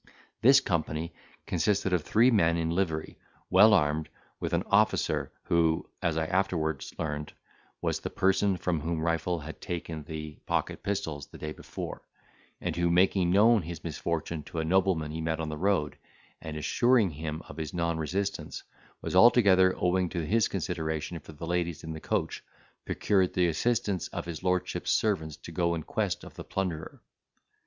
This company consisted of three men in livery, well armed, with an officer, who (as I afterwards learned,) was the person from whom Rifle had taken the pocket pistols the day before; and who, making known his misfortune to a nobleman he met on the road, and assuring him his non resistance was altogether owing to his consideration for the ladies in the coach, procured the assistance of his lordship's servants to go in quest of the plunderer.